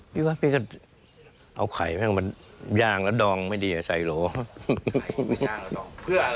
พี่บอกว่าพี่ก็เอาไข่เข้างมาย่างแล้วดองมันดีเนี่ยใส่โหล